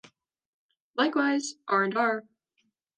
Likewise, R and R!